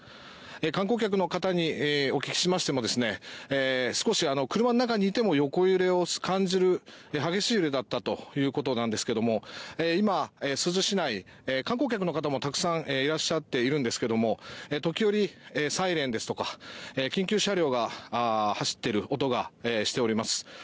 観光客の方にお聞きしましても少し車の中にいても横揺れを感じる激しい揺れだったということですが今、珠洲市内観光客の方も、たくさんいらっしゃっているんですが時折、サイレンですとか緊急車両が走っている音がしております。